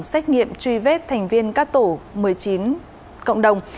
xét nghiệm truy vết thành viên các tổ một mươi chín cộng đồng